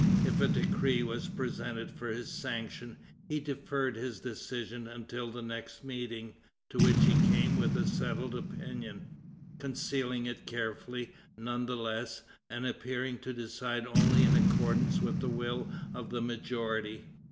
If a decree was presented for his sanction, he deferred his decision until the next meeting, to which he came with a settled opinion, concealing it carefully, none the less, and appearing to decide only in accordance with the will of the majority.